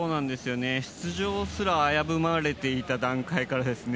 出場すら危ぶまれていた段階からですね。